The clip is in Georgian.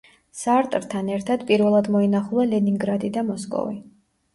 სარტრთან ერთად პირველად მოინახულა ლენინგრადი და მოსკოვი.